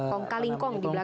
kongkalingkong di belakangnya